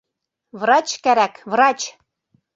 Врач кәрәк, врач!